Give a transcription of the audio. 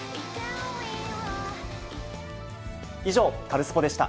以上、カルスポっ！でした。